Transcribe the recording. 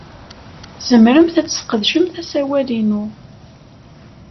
Tzemremt ad tesqedcemt asawal-inu.